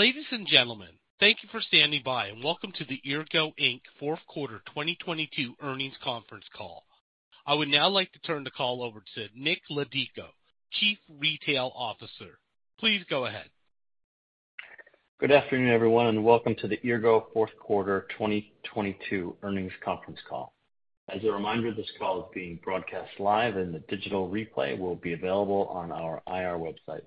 Ladies and gentlemen, thank you for standing by and welcome to the Eargo Inc. fourth quarter 2022 earnings Conference Call. I would now like to turn the call over to Nick Laudico, Chief Retail Officer. Please go ahead. Good afternoon, everyone. Welcome to the Eargo fourth quarter 2022 earnings conference call. As a reminder, this call is being broadcast live. The digital replay will be available on our IR website.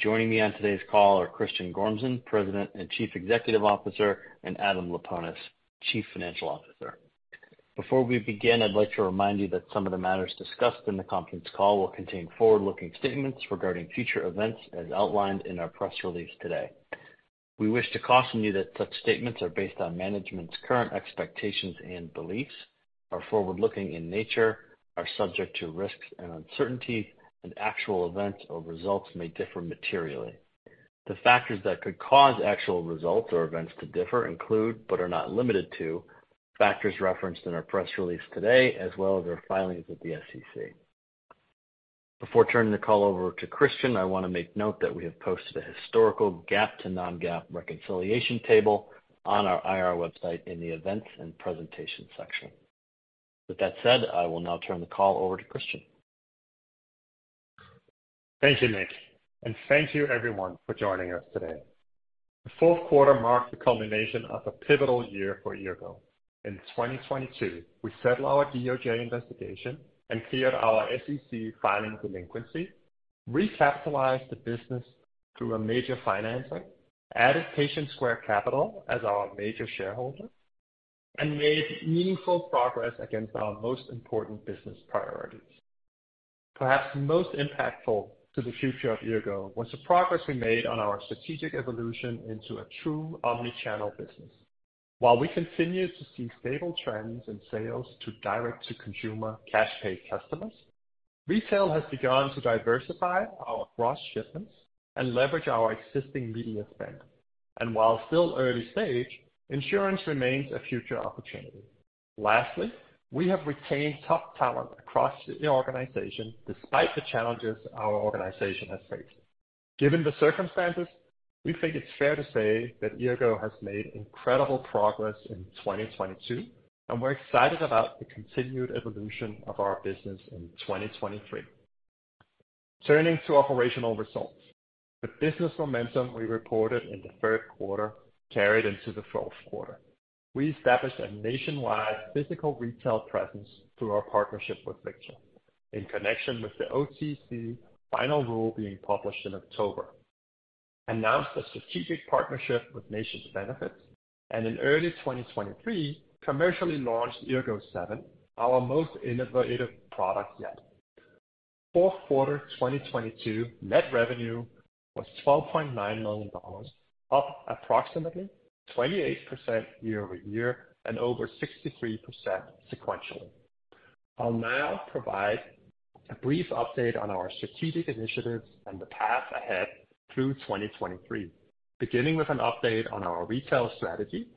Joining me on today's call are Christian Gormsen, President and Chief Executive Officer, Adam Laponis, Chief Financial Officer. Before we begin, I'd like to remind you that some of the matters discussed in the conference call will contain forward-looking statements regarding future events as outlined in our press release today. We wish to caution you that such statements are based on management's current expectations and beliefs, are forward-looking in nature, are subject to risks and uncertainty. Actual events or results may differ materially. The factors that could cause actual results or events to differ include, but are not limited to, factors referenced in our press release today, as well as our filings with the SEC. Before turning the call over to Christian, I wanna make note that we have posted a historical GAAP to non-GAAP reconciliation table on our IR website in the events and presentation section. With that said, I will now turn the call over to Christian. Thank you, Nick, and thank you everyone for joining us today. The fourth quarter marked the culmination of a pivotal year for Eargo. In 2022, we settled our DOJ investigation and cleared our SEC filing delinquency, recapitalized the business through a major financing, added Patient Square Capital as our major shareholder, and made meaningful progress against our most important business priorities. Perhaps most impactful to the future of Eargo was the progress we made on our strategic evolution into a true omni-channel business. While we continue to see stable trends in sales to direct-to-consumer cash paid customers, retail has begun to diversify our across shipments and leverage our existing media spend. While still early stage, insurance remains a future opportunity. Lastly, we have retained top talent across the organization despite the challenges our organization has faced. Given the circumstances, we think it's fair to say that Eargo has made incredible progress in 2022, and we're excited about the continued evolution of our business in 2023. Turning to operational results. The business momentum we reported in the third quarter carried into the fourth quarter. We established a nationwide physical retail presence through our partnership with Victra in connection with the OTC final rule being published in October, announced a strategic partnership with NationsBenefits, and in early 2023, commercially launched Eargo 7, our most innovative product yet. Fourth quarter 2022 net revenue was $12.9 million, up approximately 28% year-over-year and over 63% sequentially. I'll now provide a brief update on our strategic initiatives and the path ahead through 2023, beginning with an update on our retail strategy,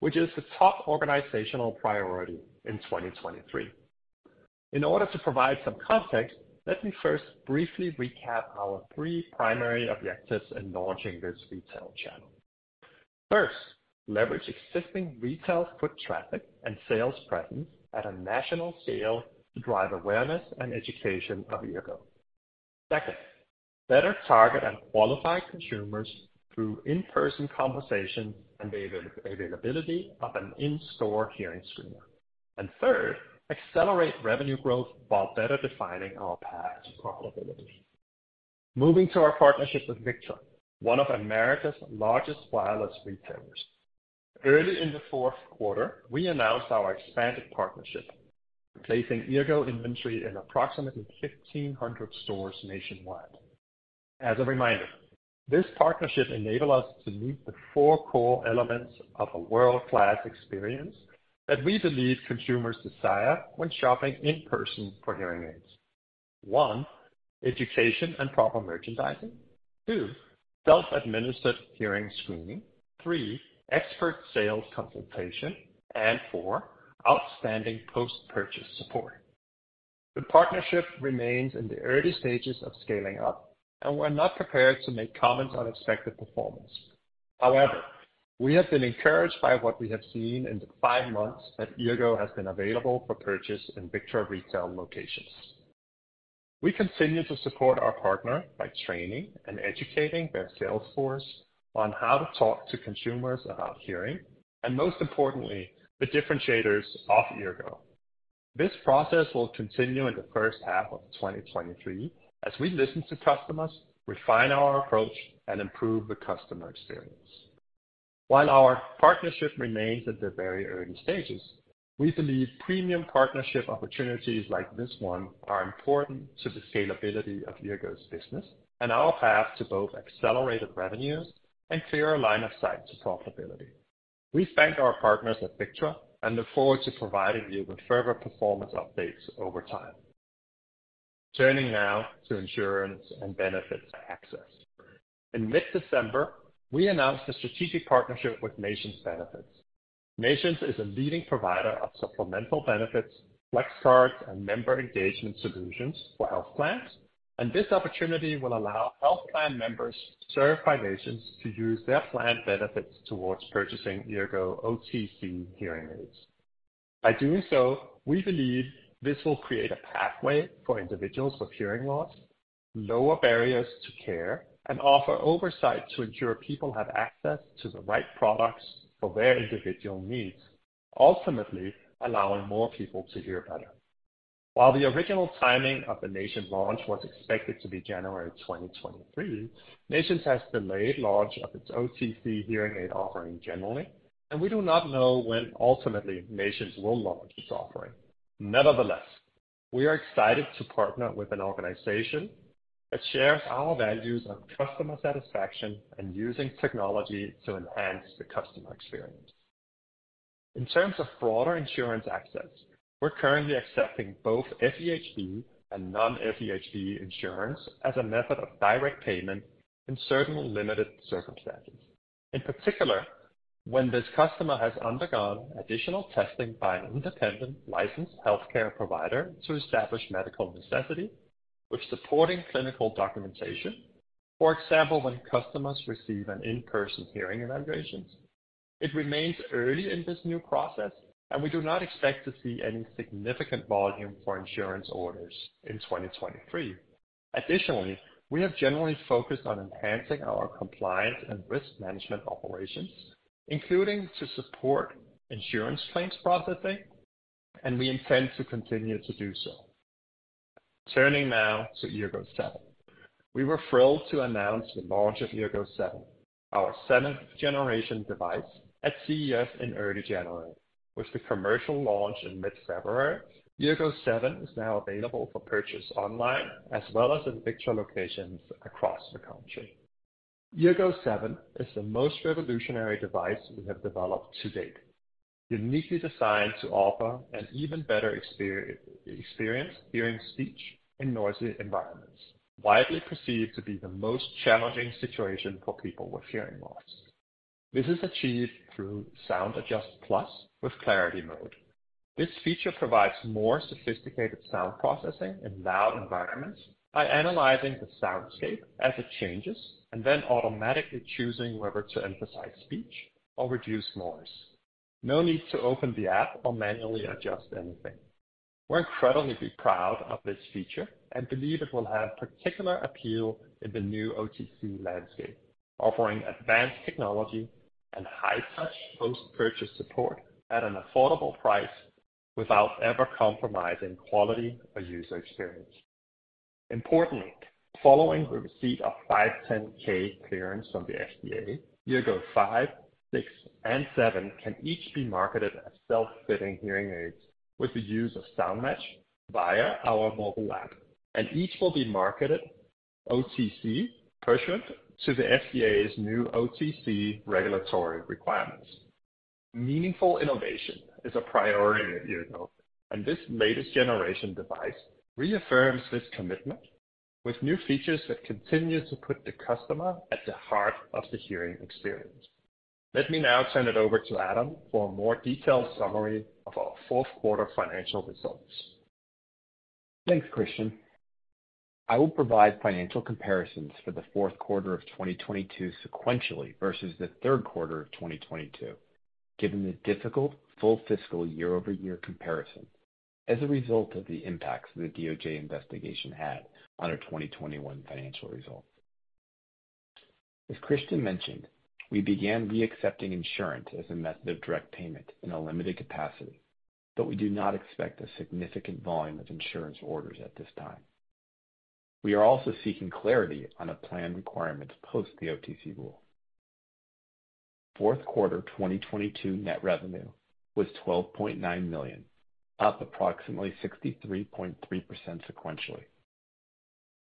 which is the top organizational priority in 2023. In order to provide some context, let me first briefly recap our three primary objectives in launching this retail channel. First, leverage existing retail foot traffic and sales presence at a national scale to drive awareness and education of Eargo. Second, better target and qualify consumers through in-person conversations and availability of an in-store hearing screener. Third, accelerate revenue growth while better defining our path to profitability. Moving to our partnership with Victra, one of America's largest wireless retailers. Early in the fourth quarter, we announced our expanded partnership, replacing Eargo inventory in approximately 1,500 stores nationwide. As a reminder, this partnership enable us to meet the four core elements of a world-class experience that we believe consumers desire when shopping in person for hearing aids. One, education and proper merchandising. Two, self-administered hearing screening. Three, expert sales consultation, and four, outstanding post-purchase support. The partnership remains in the early stages of scaling up, and we're not prepared to make comments on expected performance. However, we have been encouraged by what we have seen in the five months that Eargo has been available for purchase in Victra retail locations. We continue to support our partner by training and educating their sales force on how to talk to consumers about hearing and most importantly, the differentiators of Eargo. This process will continue in the first half of 2023 as we listen to customers, refine our approach, and improve the customer experience. While our partnership remains at the very early stages, we believe premium partnership opportunities like this one are important to the scalability of Eargo's business and our path to both accelerated revenues and clearer line of sight to profitability. We thank our partners at Victra and look forward to providing you with further performance updates over time. Turning now to insurance and benefits access. In mid-December, we announced a strategic partnership with NationsBenefits. Nations is a leading provider of supplemental benefits, flex cards, and member engagement solutions for health plans, and this opportunity will allow health plan members served by Nations to use their plan benefits towards purchasing Eargo OTC hearing aids. By doing so, we believe this will create a pathway for individuals with hearing loss, lower barriers to care, and offer oversight to ensure people have access to the right products for their individual needs, ultimately allowing more people to hear better. While the original timing of the Nations launch was expected to be January 2023, Nations has delayed launch of its OTC hearing aid offering generally, and we do not know when ultimately Nations will launch its offering. Nevertheless, we are excited to partner with an organization that shares our values on customer satisfaction and using technology to enhance the customer experience. In terms of broader insurance access, we're currently accepting both FEHB and non-FEHB insurance as a method of direct payment in certain limited circumstances. In particular, when this customer has undergone additional testing by an independent licensed healthcare provider to establish medical necessity with supporting clinical documentation. For example, when customers receive an in-person hearing evaluation. It remains early in this new process, and we do not expect to see any significant volume for insurance orders in 2023. Additionally, we have generally focused on enhancing our compliance and risk management operations, including to support insurance claims processing, and we intend to continue to do so. Turning now to Eargo 7. We were thrilled to announce the launch of Eargo 7, our seventh generation device at CES in early January, with the commercial launch in mid-February. Eargo 7 is now available for purchase online as well as in Victra locations across the country. Eargo 7 is the most revolutionary device we have developed to date, uniquely designed to offer an even better experience hearing speech in noisy environments, widely perceived to be the most challenging situation for people with hearing loss. This is achieved through Sound Adjust+ with Clarity Mode. This feature provides more sophisticated sound processing in loud environments by analyzing the soundscape as it changes, and then automatically choosing whether to emphasize speech or reduce noise. No need to open the app or manually adjust anything. We're incredibly proud of this feature and believe it will have particular appeal in the new OTC landscape, offering advanced technology and high touch post-purchase support at an affordable price without ever compromising quality or user experience. Importantly, following the receipt of 510(k) clearance from the FDA, Eargo 5, 6, and 7 can each be marketed as self-fitting hearing aids with the use of Sound Match via our mobile app, and each will be marketed OTC pursuant to the FDA's new OTC regulatory requirements. Meaningful innovation is a priority at Eargo. This latest generation device reaffirms this commitment with new features that continue to put the customer at the heart of the hearing experience. Let me now turn it over to Adam for a more detailed summary of our fourth quarter financial results. Thanks, Christian. I will provide financial comparisons for the fourth quarter of 2022 sequentially versus the third quarter of 2022, given the difficult full fiscal year-over-year comparison as a result of the impacts the DOJ investigation had on our 2021 financial results. As Christian mentioned, we began re-accepting insurance as a method of direct payment in a limited capacity. We do not expect a significant volume of insurance orders at this time. We are also seeking clarity on a plan requirements post the OTC rule. Fourth quarter 2022 net revenue was $12.9 million, up approximately 63.3% sequentially.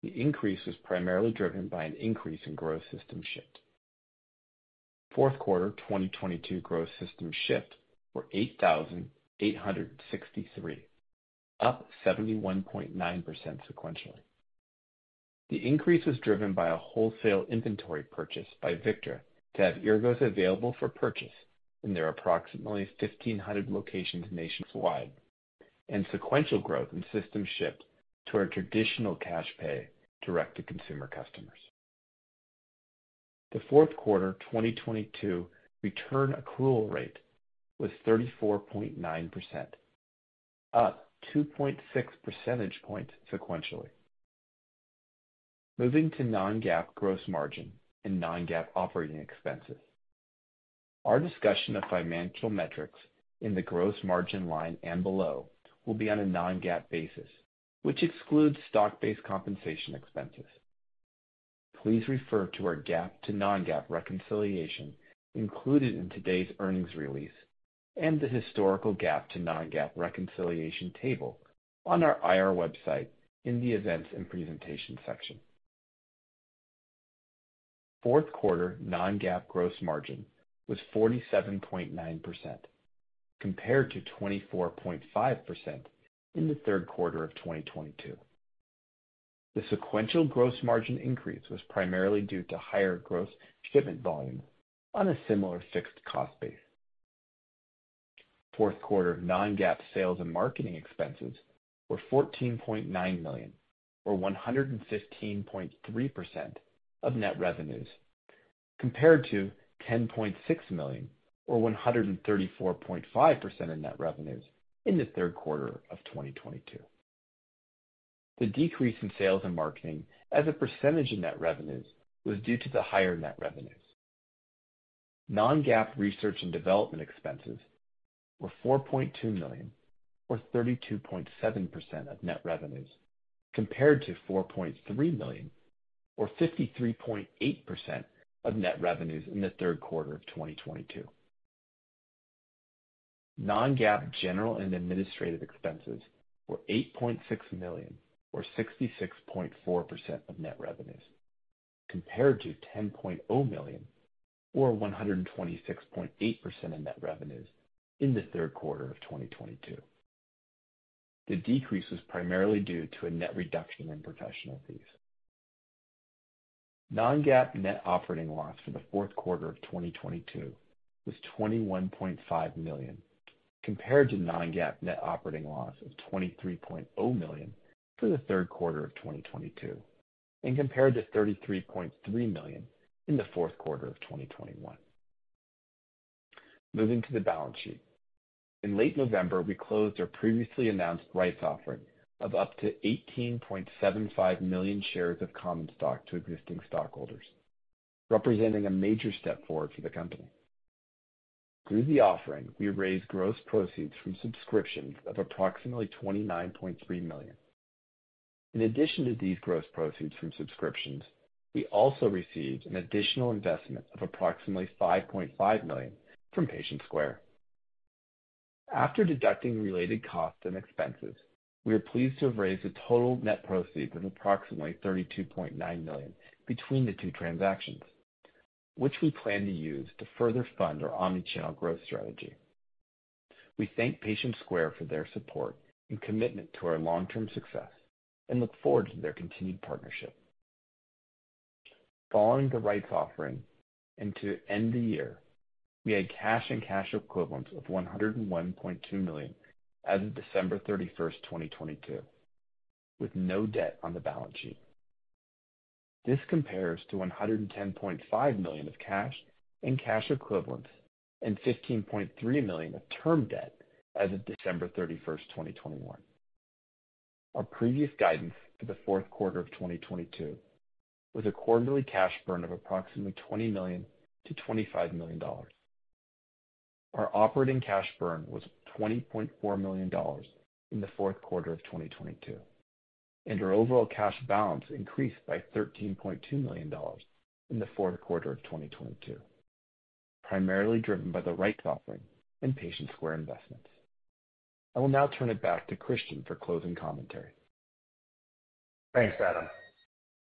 The increase was primarily driven by an increase in gross systems shipped. Fourth quarter 2022 gross systems shipped were 8,863, up 71.9% sequentially. The increase was driven by a wholesale inventory purchase by Victra to have Eargos available for purchase in their approximately 1,500 locations nationwide and sequential growth in systems shipped to our traditional cash pay direct to consumer customers. The fourth quarter 2022 return accrual rate was 34.9%, up 2.6% points sequentially. Moving to non-GAAP gross margin and non-GAAP operating expenses. Our discussion of financial metrics in the gross margin line and below will be on a non-GAAP basis, which excludes stock-based compensation expenses. Please refer to our GAAP to non-GAAP reconciliation included in today's earnings release and the historical GAAP to non-GAAP reconciliation table on our IR website in the Events and Presentation section. Fourth quarter non-GAAP gross margin was 47.9% compared to 24.5% in the third quarter of 2022. The sequential gross margin increase was primarily due to higher gross shipment volume on a similar fixed cost base. Fourth quarter non-GAAP sales and marketing expenses were $14.9 million or 115.3% of net revenues, compared to $10.6 million or 134.5% of net revenues in the third quarter of 2022. The decrease in sales and marketing as a percentage of net revenues was due to the higher net revenues. Non-GAAP research and development expenses were $4.2 million or 32.7% of net revenues, compared to $4.3 million or 53.8% of net revenues in the third quarter of 2022. Non-GAAP general and administrative expenses were $8.6 million or 66.4% of net revenues, compared to $10.0 million or 126.8% of net revenues in the third quarter of 2022. The decrease was primarily due to a net reduction in professional fees. Non-GAAP net operating loss for the fourth quarter of 2022 was $21.5 million, compared to non-GAAP net operating loss of $23.0 million for the third quarter of 2022, and compared to $33.3 million in the fourth quarter of 2021. Moving to the balance sheet. In late November, we closed our previously announced rights offering of up to 18.75 million shares of common stock to existing stockholders, representing a major step forward for the company. Through the offering, we raised gross proceeds from subscriptions of approximately $29.3 million. In addition to these gross proceeds from subscriptions, we also received an additional investment of approximately $5.5 million from Patient Square. After deducting related costs and expenses, we are pleased to have raised a total net proceed of approximately $32.9 million between the two transactions, which we plan to use to further fund our omni-channel growth strategy. We thank Patient Square for their support and commitment to our long-term success and look forward to their continued partnership. Following the rights offering and to end the year, we had cash and cash equivalents of $101.2 million as of December 31, 2022, with no debt on the balance sheet. This compares to $110.5 million of cash and cash equivalents, and $15.3 million of term debt as of December 31, 2021. Our previous guidance for the fourth quarter of 2022 was a quarterly cash burn of approximately $20 million-$25 million. Our operating cash burn was $20.4 million in the fourth quarter of 2022. Our overall cash balance increased by $13.2 million in the fourth quarter of 2022, primarily driven by the rights offering and Patient Square investments. I will now turn it back to Christian for closing commentary. Thanks, Adam.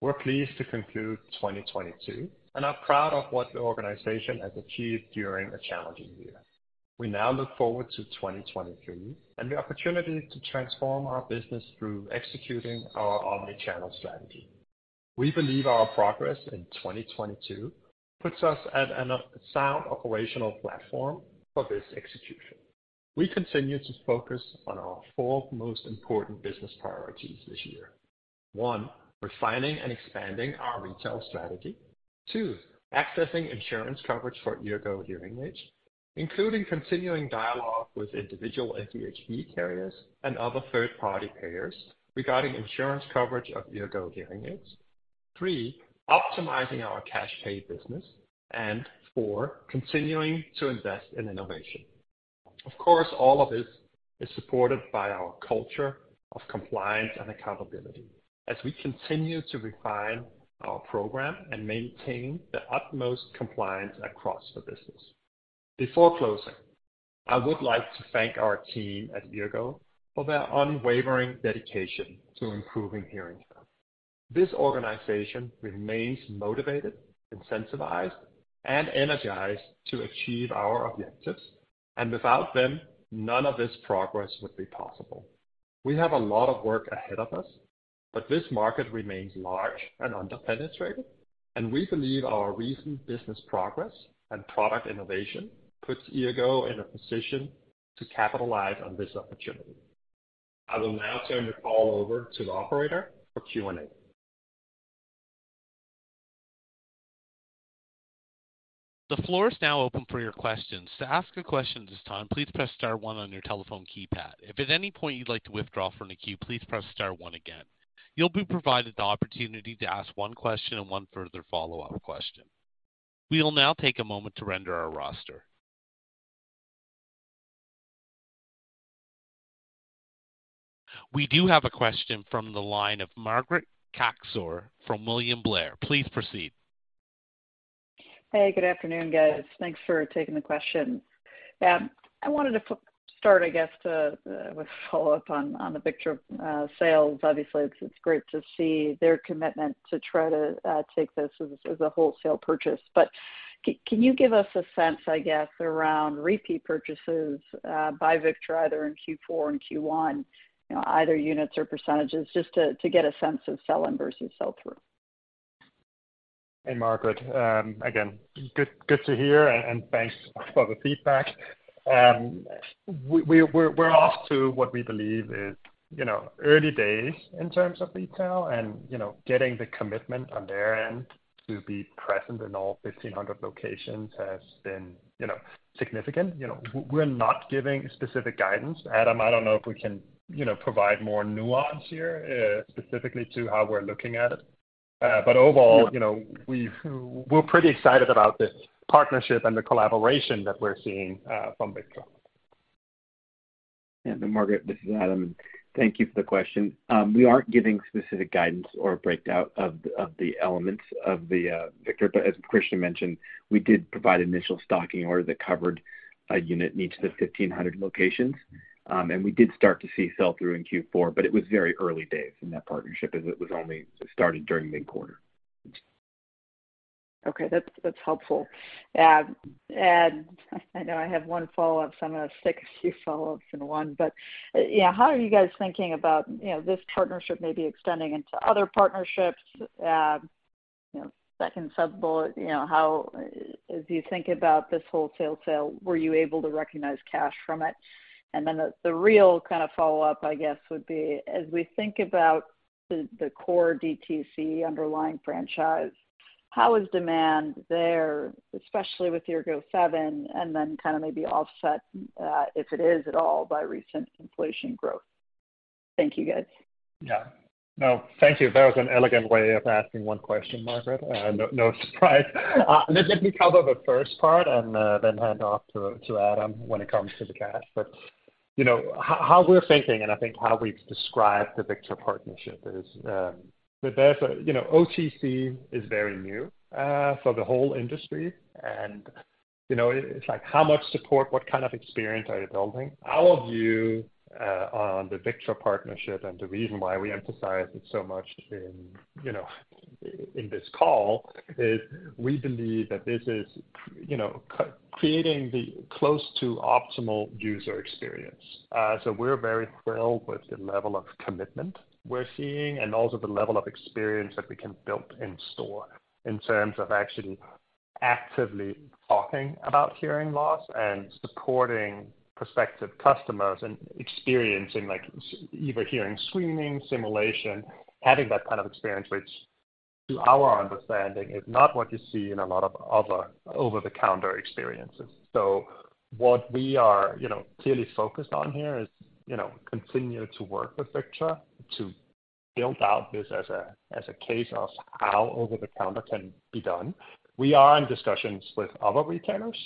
We're pleased to conclude 2022 and are proud of what the organization has achieved during a challenging year. We now look forward to 2023 and the opportunity to transform our business through executing our omni-channel strategy. We believe our progress in 2022 puts us at a sound operational platform for this execution. We continue to focus on our four most important business priorities this year. one, refining and expanding our retail strategy. two, accessing insurance coverage for Eargo hearing aids, including continuing dialogue with individual and FEHB carriers and other third-party payers regarding insurance coverage of Eargo hearing aids. three, optimizing our cash pay business. four, continuing to invest in innovation. Of course, all of this is supported by our culture of compliance and accountability as we continue to refine our program and maintain the utmost compliance across the business. Before closing, I would like to thank our team at Eargo for their unwavering dedication to improving hearing health. This organization remains motivated, incentivized, and energized to achieve our objectives. Without them, none of this progress would be possible. We have a lot of work ahead of us, but this market remains large and under-penetrated, and we believe our recent business progress and product innovation puts Eargo in a position to capitalize on this opportunity. I will now turn the call over to the operator for Q&A. The floor is now open for your questions. To ask a question at this time, please Press Star one on your telephone keypad. If at any point you'd like to withdraw from the queue, please Press Star one again. You'll be provided the opportunity to ask one question and one further follow-up question. We will now take a moment to render our roster. We do have a question from the line of Margaret Kaczor from William Blair. Please proceed. Hey, good afternoon, guys. Thanks for taking the question. I wanted to start, I guess, with follow-up on the Victra sales. Obviously, it's great to see their commitment to try to take this as a wholesale purchase. Can you give us a sense, I guess, around repeat purchases by Victra either in Q4 and Q1, you know, either units or percentages, just to get a sense of sell-in versus sell-through? Hey, Margaret. Again, good to hear and thanks for the feedback. We're off to what we believe is, you know, early days in terms of retail and, you know, getting the commitment on their end to be present in all 1,500 locations has been, you know, significant. You know, we're not giving specific guidance. Adam, I don't know if we can, you know, provide more nuance here, specifically to how we're looking at it. Overall, you know, we're pretty excited about this partnership and the collaboration that we're seeing from Victra. Yeah. Margaret, this is Adam. Thank you for the question. We aren't giving specific guidance or a breakdown of the, of the elements of the Victra. As Christian mentioned, we did provide initial stocking order that covered a unit in each of the 1,500 locations. We did start to see sell-through in Q4, but it was very early days in that partnership as it was only started during mid-quarter. Okay. That's, that's helpful. I know I have one follow-up, so I'm gonna stick a few follow-ups in one. Yeah, how are you guys thinking about, you know, this partnership maybe extending into other partnerships? You know, second sub-bullet, you know, how as you think about this wholesale sale, were you able to recognize cash from it? The, the real kind of follow-up, I guess, would be, as we think about the core DTC underlying franchise, how is demand there, especially with Eargo 7, and then kind of maybe offset, if it is at all by recent inflation growth? Thank you, guys. Yeah. No, thank you. That was an elegant way of asking one question, Margaret Kaczor. No, no surprise. Let me cover the first part and then hand off to Adam when it comes to the cash. You know, how we're thinking and I think how we've described the Victra partnership is. You know, OTC is very new, for the whole industry and, you know, it's like how much support, what kind of experience are you building? Our view on the Victra partnership and the reason why we emphasize it so much in, you know, in this call is we believe that this is creating the close to optimal user experience. We're very thrilled with the level of commitment we're seeing and also the level of experience that we can build in store in terms of actually actively talking about hearing loss and supporting prospective customers and experiencing either hearing screening, simulation, having that kind of experience, which to our understanding is not what you see in a lot of other over-the-counter experiences. What we are, you know, clearly focused on here is, you know, continue to work with Victra to build out this as a case of how over-the-counter can be done. We are in discussions with other retailers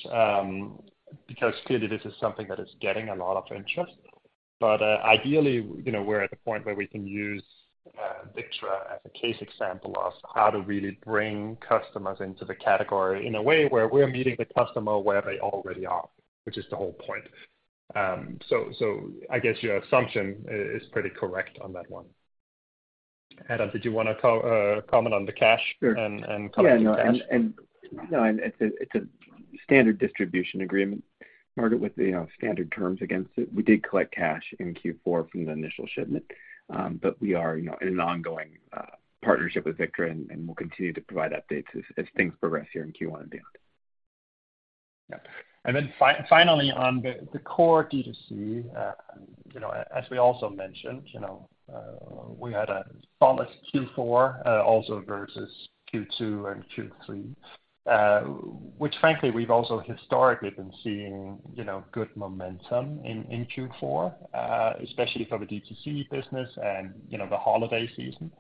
because clearly this is something that is getting a lot of interest. Ideally, you know, we're at the point where we can use Victra as a case example of how to really bring customers into the category in a way where we're meeting the customer where they already are, which is the whole point. I guess your assumption is pretty correct on that one. Adam, did you wanna comment on the cash- Sure. collect the cash? No, and no, and it's a standard distribution agreement, Margaret, with, you know, standard terms against it. We did collect cash in Q4 from the initial shipment, we are, you know, in an ongoing partnership with Victra, and we'll continue to provide updates as things progress here in Q1 and beyond. Yeah. Then finally, on the core DTC, you know, as we also mentioned, you know, we had a solid Q4, also versus Q2 and Q3, which frankly, we've also historically been seeing, you know, good momentum in Q4, especially for the DTC business and, you know, the holiday season.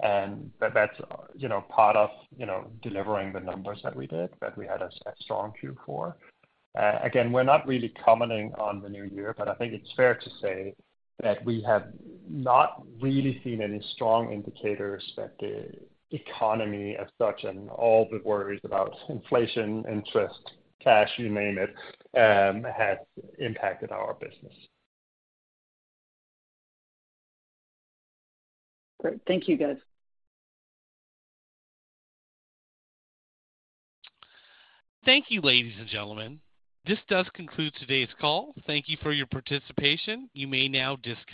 That's, you know, part of, you know, delivering the numbers that we did, that we had a strong Q4. Again, we're not really commenting on the new year, but I think it's fair to say that we have not really seen any strong indicators that the economy as such and all the worries about inflation, interest, cash, you name it, has impacted our business. Great. Thank you, guys. Thank you, ladies and gentlemen. This does conclude today's call. Thank you for your participation. You may now disconnect.